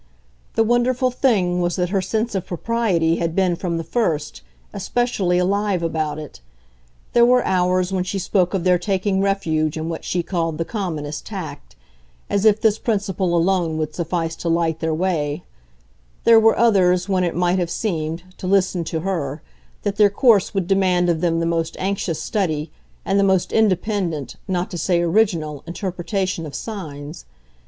The wonderful thing was that her sense of propriety had been, from the first, especially alive about it. There were hours when she spoke of their taking refuge in what she called the commonest tact as if this principle alone would suffice to light their way; there were others when it might have seemed, to listen to her, that their course would demand of them the most anxious study and the most independent, not to say original, interpretation of signs.